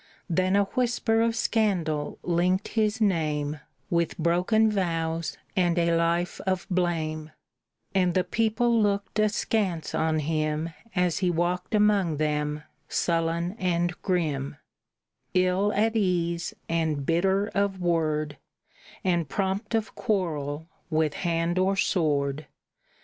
Then a whisper of scandal linked his name With broken vows and a life of blame; And the people looked askance on him As he walked among them sullen and grim, Ill at ease, and bitter of word, And prompt of quarrel with hand or sword.